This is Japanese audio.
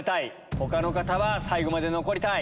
他の方は最後まで残りたい。